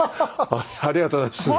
ありがとうございます。